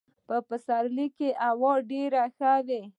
په پسرلي کي هوا ډېره ښه وي .